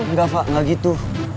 enggak fak gak gitu